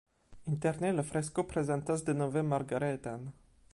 Interne la fresko prezentas denove Margareta-n.